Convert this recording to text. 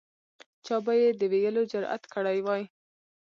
چا به یې د ویلو جرأت کړی وای.